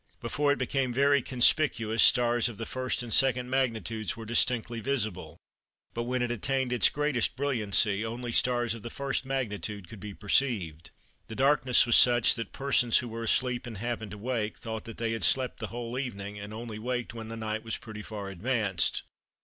Before it became very conspicuous stars of the 1st and 2nd magnitudes were distinctly visible, but when it attained its greatest brilliancy, only stars of the 1st magnitude could be perceived. "The darkness was such that persons who were asleep and happened to wake, thought that they had slept the whole evening and only waked when the night was pretty far advanced.